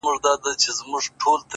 • ویل سته خو عمل نسته ,